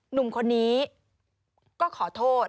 หนุ่มคนนี้ก็ขอโทษ